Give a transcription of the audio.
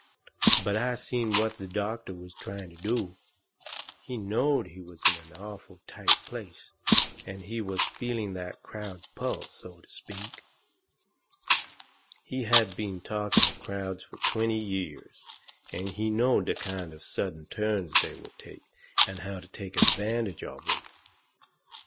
But I seen what the doctor was trying to do. He knowed he was in an awful tight place, and he was feeling that crowd's pulse, so to speak. He had been talking to crowds fur twenty years, and he knowed the kind of sudden turns they will take, and how to take advantage of 'em.